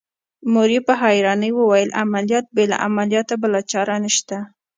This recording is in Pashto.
مور يې په حيرانۍ وويل عمليات بې له عملياته بله چاره نشته.